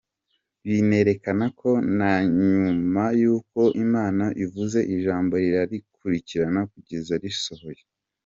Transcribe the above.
Binerekana ko na nyuma y’uko Imana ivuze ijambo irarikurikirana kugeza risohoye.